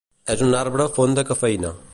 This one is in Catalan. És un arbre font de cafeïna.